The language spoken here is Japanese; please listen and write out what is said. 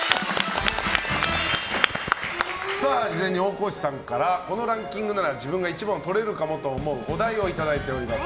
事前に大河内さんからこのランキングなら自分が１番をとれるかもと思うお題をいただいております。